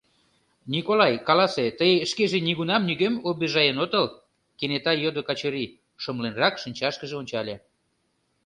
— Николай, каласе, тый шкеже нигунам нигӧм обижаен отыл? — кенета йодо Качырий, шымленрак шинчашкыже ончале.